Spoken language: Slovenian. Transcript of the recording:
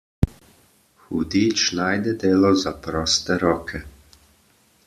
Hudič najde delo za proste roke.